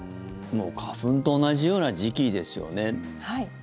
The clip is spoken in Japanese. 花粉と同じような時期ですよね。